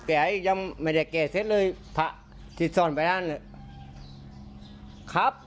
กะไอ้ยำไม่ได้เกะเสียเลยผักถิดซ่อนไปน่าเลยคับ